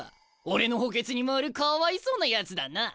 俺の補欠に回るかわいそうなやつだな。